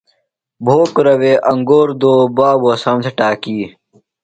بھوکُرہ وے انگور دو، بابوۡ اسام تھےۡ ٹاکی